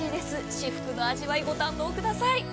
至福の味わいをご堪能ください。